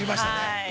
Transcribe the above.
◆はい。